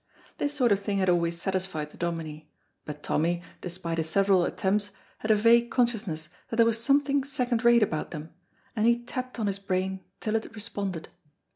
This sort of thing had always satisfied the Dominie, but Tommy, despite his several attempts, had a vague consciousness that there was something second rate about them, and he tapped on his brain till it responded.